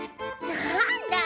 なんだ。